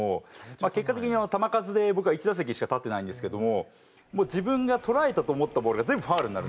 結果的に球数で僕は１打席しか立ってないんですけども自分がとらえたと思ったボールが全部ファウルになるんですよ。